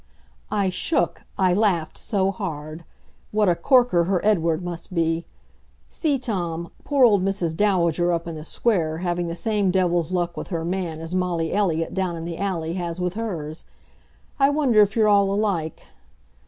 I shook, I laughed so hard. What a corker her Edward must be! See, Tom, poor old Mrs. Dowager up in the Square having the same devil's luck with her man as Molly Elliott down in the Alley has with hers. I wonder if you're all alike.